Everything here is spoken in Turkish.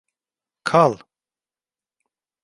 Kal.